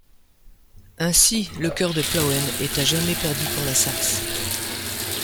Ainsi, le cœur de Plauen est à jamais perdu pour la Saxe.